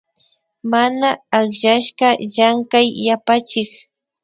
Mana akllashka Llankay yapachik